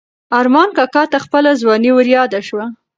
ارمان کاکا ته خپله ځواني وریاده شوه.